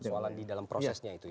persoalan di dalam prosesnya itu ya